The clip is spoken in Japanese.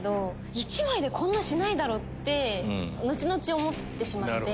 １枚でこんなしないだろって後々思ってしまって。